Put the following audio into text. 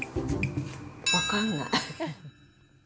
分かんない。